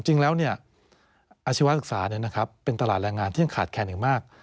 จริงแล้วอาชีวศึกษาเป็นตลาดแรงงานที่ยังขาดแคนอย่างมาก